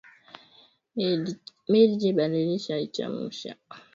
Mindji balisha ichamusha